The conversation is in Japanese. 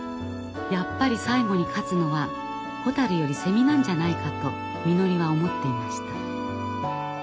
やっぱり最後に勝つのは蛍より蝉なんじゃないかとみのりは思っていました。